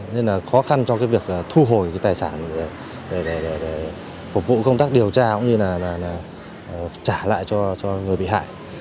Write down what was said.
nên là khó khăn cho việc thu hồi tài sản để phục vụ công tác điều tra cũng như trả lại cho người bị hại